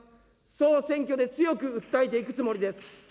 総選挙で強く訴えていくつもりです。